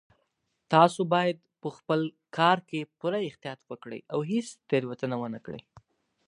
تاسو باید په خپل کار کې پوره احتیاط وکړئ او هیڅ تېروتنه ونه کړئ